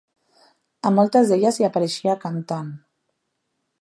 A moltes d'elles hi apareixia cantant.